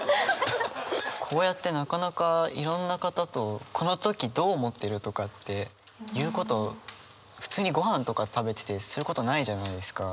こうやってなかなかいろんな方とこの時どう思ってるとかっていうこと普通にごはんとか食べててすることないじゃないですか。